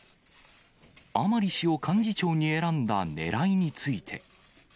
甘利氏を幹事長に選んだねらいについて。